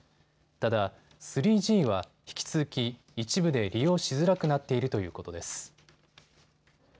ただ、３Ｇは引き続き一部で利用しづらくなっているということです。